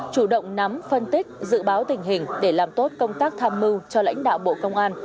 chủ động nắm phân tích dự báo tình hình để làm tốt công tác tham mưu cho lãnh đạo bộ công an